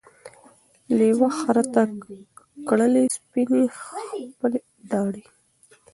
لېوه خره ته کړلې سپیني خپلي داړي